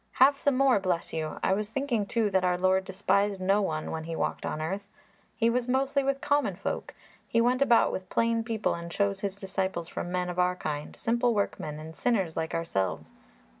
"Have some more, bless you! I was thinking, too, that our Lord despised no one when He walked on earth; He was mostly with common folk. He went about with plain people and chose His disciples from men of our kind simple workmen and sinners like ourselves.